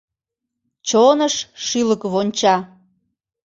Чоныш шӱлык вонча